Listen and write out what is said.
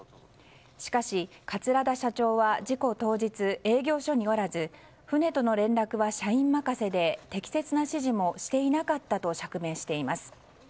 しかし、桂田社長は事故当日営業所におらず船との連絡は社員任せで適切な指示もしていなかったと釈明しています。